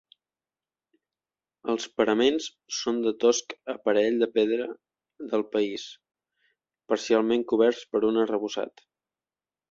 Els paraments són de tosc aparell de pedra del país, parcialment coberts per un arrebossat.